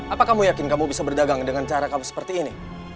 apa kamu yakin kamu bisa berdagang dengan cara kamu seperti ini